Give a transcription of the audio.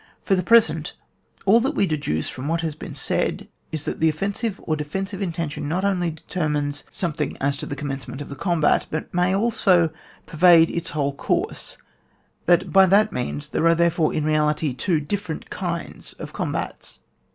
For the present all that we de duce from what has been said, is that the offensive or defensive intention not only determines something as to the com GUIDE TO TACTICS, OR THE THEORY OF THE COMBAT 149 mencement of the combat, but may also pervade its whole course — that by that means there are therefore in reality two different kinds of combats.